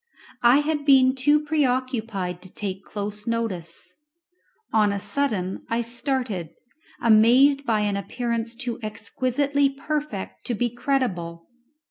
I had been too preoccupied to take close notice; on a sudden I started, amazed by an appearance too exquisitely perfect to be credible.